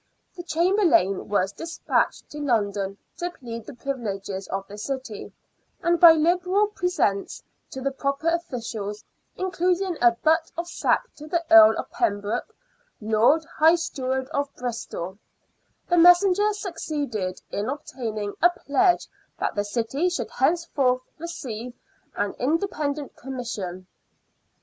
The Chamberlain was despatched to London to plead the privileges of the city, and by liberal presents to the proper officials, including a butt of sack to the Earl of Pembroke, Lord High Steward of Bristol, the messenger succeeded in obtaining a pledge that the city should henceforth receive an independent commission.